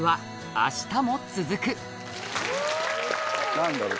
何だろう？